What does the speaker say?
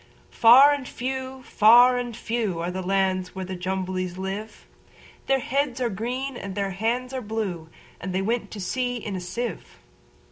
Far and few, far and few, Are the lands where the Jumblies live:Their heads are green, and their hands are blue; And they went to sea in a sieve.